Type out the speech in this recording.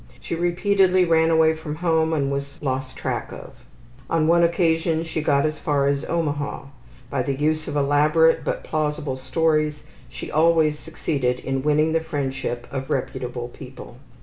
She repeatedly ran away from home and was lost track of. On one occasion she got as far as Omaha. By the use of elaborate, but plausible stories she always succeeded in winning the friendship of reputable people.